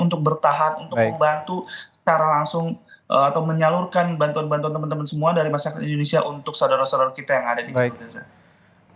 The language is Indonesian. untuk bertahan untuk membantu secara langsung atau menyalurkan bantuan bantuan teman teman semua dari masyarakat indonesia untuk saudara saudara kita yang ada di gaza